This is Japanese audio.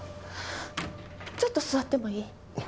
ちょっと座ってもいい？